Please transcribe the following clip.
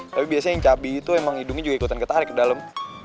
tapi biasanya yang cabi itu emang hidungnya juga ikutan ketarik ke dalam